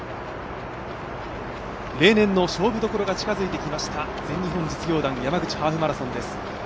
例年の勝負どころが近づいてきました、全日本実業団山口ハーフマラソンです。